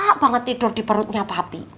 enak banget tidur di perutnya papi